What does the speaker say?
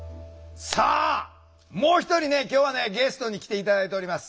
さあもう一人ね今日はねゲストに来て頂いております。